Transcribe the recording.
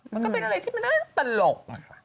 มันก็เป็นอะไรที่มันน่าตลก